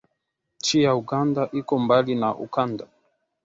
Nchi ya Uganda iko mbali na ukanda